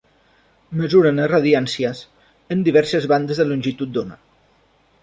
Mesuren les radiàncies en diverses bandes de longitud d'ona.